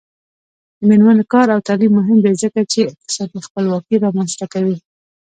د میرمنو کار او تعلیم مهم دی ځکه چې اقتصادي خپلواکي رامنځته کوي.